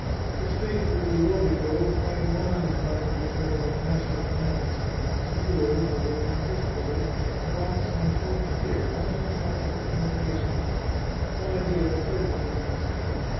His faithful Ludovico, quite alarmed by what he called his master's madness, secured, though with much difficulty, a box on the fourth tier, almost opposite the mar chesa's. An idea occurred to Fabrizio.